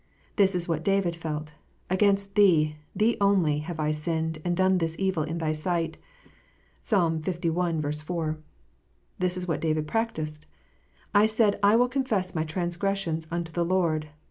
This is what David felt: "Against Thee, Thee only, have I sinned, and done this evil in Thy sight." (Psalm li. 4.) This is what David practised :" I said I will confess my transgressions unto the Lord."